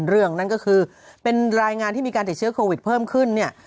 เรื่องนั้นก็คือเป็นรายงานที่มีการติดเชื้อโควิดเพิ่มขึ้นเนี่ย